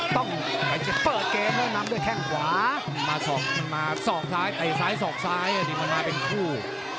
ต้องเปิดเกมนัดด้วยแข่งขวามาสอกซ้ายที่นั่นมาเป็นคู่